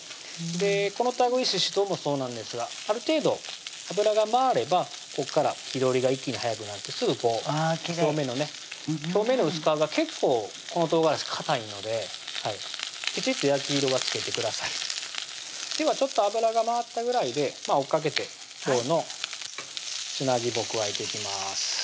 このたぐいししとうもそうなんですがある程度油が回ればここから火通りが一気に早くなってすぐ表面のね表面の薄皮が結構この唐辛子かたいのできちっと焼き色はつけてくださいでは油が回ったぐらいで追っかけて今日の砂肝加えていきます